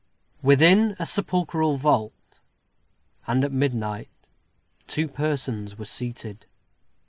Within a sepulchral vault, and at midnight, two persons were seated.